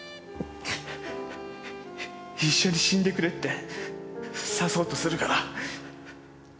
一緒に死んでくれって刺そうとするから。